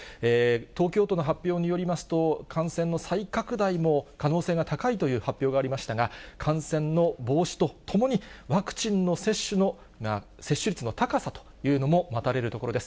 東京都の発表によりますと、感染の再拡大も可能性が高いという発表がありましたが、感染の防止とともに、ワクチンの接種率の高さというのも待たれるところです。